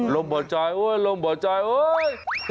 ลมบดจอยลมบดจอยโอ๊ย